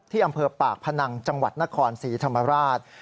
อำเภอปากพนังจังหวัดนครศรีธรรมราช